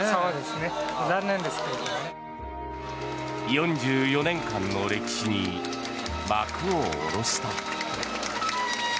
４４年間の歴史に幕を下ろした。